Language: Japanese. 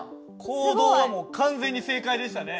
行動は完全に正解でしたね。